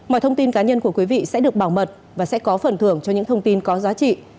mọi thông tin cá nhân của quý vị sẽ được bảo mật và sẽ có phần thưởng cho những thông tin có giá trị